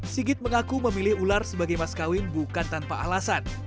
sigit mengaku memilih ular sebagai maskawin bukan tanpa alasan